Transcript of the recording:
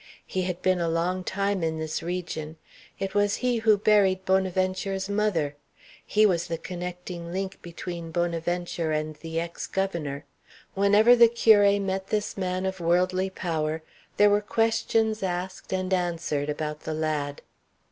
He had been a long time in this region. It was he who buried Bonaventure's mother. He was the connecting link between Bonaventure and the ex governor. Whenever the curé met this man of worldly power, there were questions asked and answered about the lad.